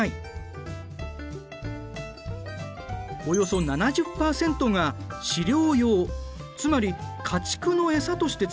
およそ７０％が飼料用つまり家畜の餌として使われている。